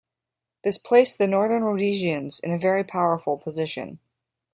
This placed the Northern Rhodesians in a very powerful position.